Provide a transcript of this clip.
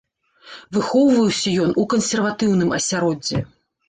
Выхоўваўся ён у кансерватыўным асяроддзі.